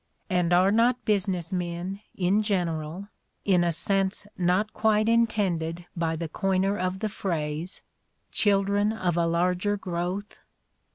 And are not business men in general, in a sense not quite in tended by the coiner of the phrase, "children of a larger growth"?